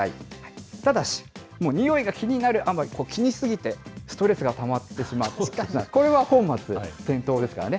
ただし、もうにおいが気になるあまり、気にし過ぎてストレスがたまってしまう、これは本末転倒ですからね。